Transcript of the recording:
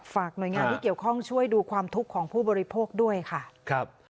ฝากหน่วยงานที่เกี่ยวข้องช่วยดูความทุกข์ของผู้บริโภคด้วยค่ะครับ